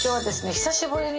久しぶりに。